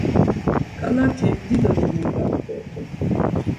Ǩalati dido dimonǩanu dort̆un.